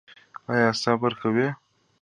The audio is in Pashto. ایا صبر کوئ؟